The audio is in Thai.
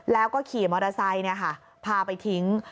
แล้วก็ขี่มอเตอร์ไซต์เนี่ยค่ะพาไปทิ้ง